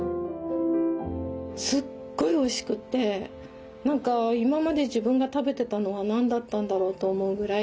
すっごいおいしくて何か今まで自分が食べてたのは何だったんだろうと思うぐらい。